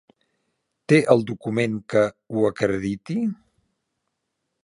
Té el document que ho acrediti?